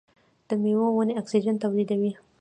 د میوو ونې اکسیجن تولیدوي.